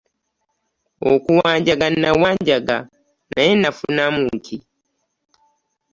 Okuwanjaga nawanjaga naye nafunamu ki?